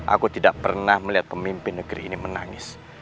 aku tidak pernah melihat pemimpin negeri ini menangis